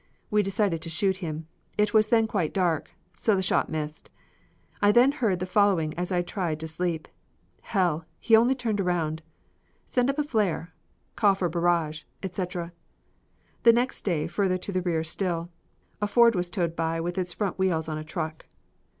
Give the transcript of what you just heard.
We decided to shoot him. It was then quite dark, so the shot missed. I then heard the following as I tried to sleep: "Hell; he only turned around;" "Send up a flare;" "Call for a barrage," etc. The next day further to the rear still, a Ford was towed by with its front wheels on a truck.